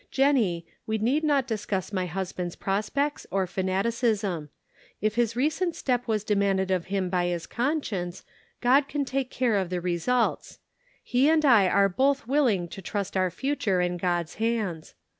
"Jennie, we need not discuss my husband's prospects or fanaticism. If his recent step was demanded of him by his conscience God can take care of the results ; he and I, are both willing to trust our future in God's hands.